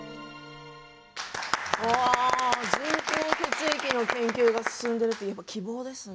人工血液の研究が進んでいるというのは、希望ですね。